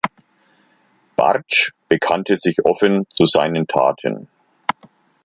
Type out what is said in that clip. Bartsch bekannte sich offen zu seinen Taten.